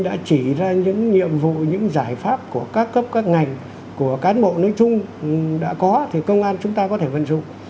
đã chỉ ra những nhiệm vụ những giải pháp của các cấp các ngành của cán bộ nói chung đã có thì công an chúng ta có thể vận dụng